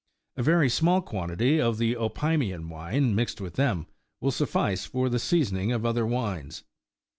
45 A very small quantity of the Opimian wine, mixed with them, will suffice for the seasoning of other wines.